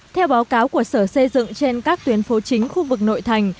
theo báo cáo của sở xây dựng trên các tuyến phố chính khu vực nội thành